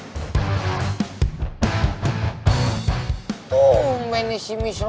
tuh mainnya si misruh